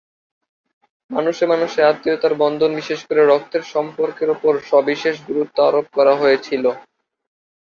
মানুষে মানুষে আত্মীয়তার বন্ধন, বিশেষ করে রক্তের সম্পর্কের ওপর সবিশেষ গুরুত্ব আরোপ করা হয়েছিলো।